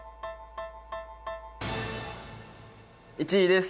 １位です！